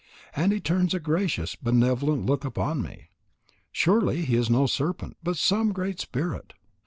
And he turns a gracious, benevolent look upon me. Surely, he is no serpent, but some great spirit.